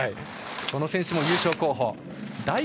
この選手も優勝候補。